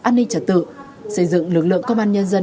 an ninh trật tự xây dựng lực lượng công an nhân dân